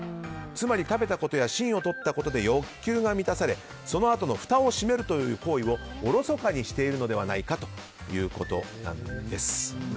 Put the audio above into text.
つまり食べたことや芯を取ったことで欲求が満たされ、そのあとのふたを閉めるという行為をおろそかにしているのではないかということなんです。